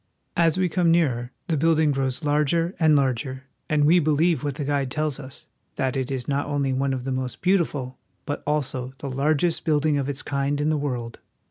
As we come nearer the building grows larger and larger, and we believe what the guide tells us, that it is not only one of the most beautiful, but also the largest building of its kind in the world.